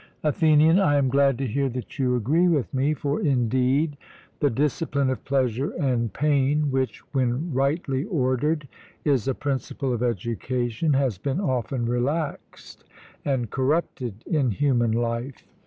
ATHENIAN: I am glad to hear that you agree with me; for, indeed, the discipline of pleasure and pain which, when rightly ordered, is a principle of education, has been often relaxed and corrupted in human life.